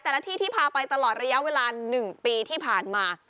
แต่ละที่ที่พาไปตลอดระยะเวลา๑ปีที่ผ่านมา